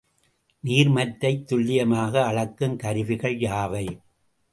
நீர்மத்தைத் துல்லியமாக அளக்கும் கருவிகள் யாவை?